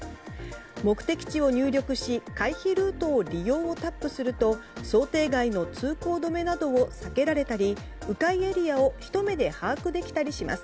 目的地を入力し回避ルートを利用をタップすると想定外の通行止めなどを避けられたり迂回エリアをひと目で把握できたりします。